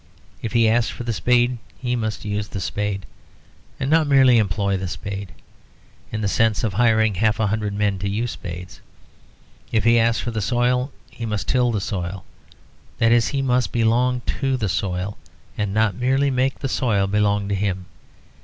If he asks for the spade he must use the spade, and not merely employ the spade, in the sense of hiring half a hundred men to use spades. If he asks for the soil he must till the soil; that is he must belong to the soil and not merely make the soil belong to him.